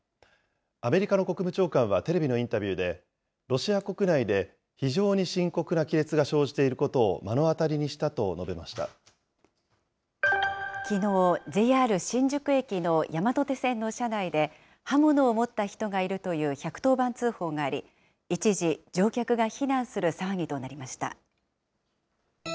アメリカの国務長官はテレビのインタビューで、ロシア国内で非常に深刻な亀裂が生じていることをきのう、ＪＲ新宿駅の山手線の車内で、刃物を持った人がいるという１１０番通報があり、一時、乗客が避難する騒ぎとなりました。